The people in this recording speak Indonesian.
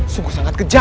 sungguh sangat keji